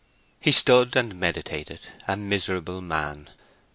He stood and meditated—a miserable man.